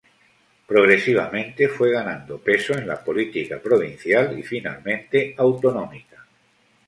Progresivamente fue ganando peso en la política provincial y finalmente autonómica.